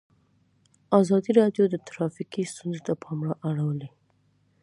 ازادي راډیو د ټرافیکي ستونزې ته پام اړولی.